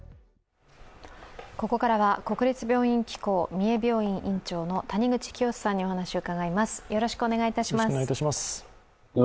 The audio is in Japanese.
ここからは国立病院機構三重病院院長の谷口清州さんにお話を伺います。